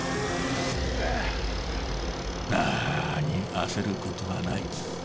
なぁに焦ることはない。